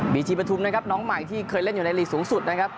ทีปฐุมนะครับน้องใหม่ที่เคยเล่นอยู่ในลีกสูงสุดนะครับ